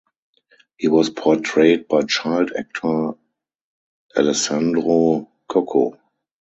He was portrayed by child actor Alessandro Cocco.